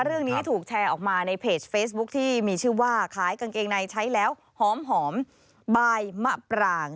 เรื่องนี้ถูกแชร์ออกมาในเพจเฟซบุ๊คที่มีชื่อว่าขายกางเกงในใช้แล้วหอมบายมะปราง